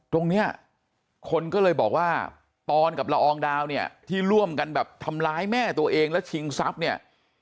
ตรงนี้คนก็เลยบอกว่าปอนกับละอองดาวเนี่ยที่ร่วมกันแบบทำร้ายแม่ตัวเองแล้วชิงทรัพย์เนี่ย